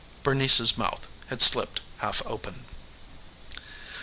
Bernice's mouth had slipped half open.